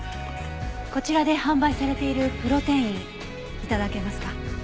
こちらで販売されているプロテイン頂けますか？